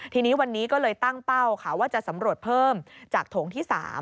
ทีนี้วันนี้ก็เลยตั้งเป้าค่ะว่าจะสำรวจเพิ่มจากโถงที่๓